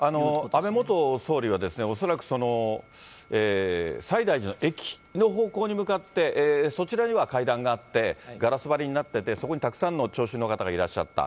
安倍元総理は、恐らく、西大寺の駅の方向に向かって、そちらには階段があって、ガラス張りになってて、そこにたくさんの聴衆の方がいらっしゃった。